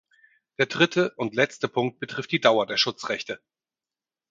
Der dritte und letzte Punkt betrifft die Dauer der Schutzrechte.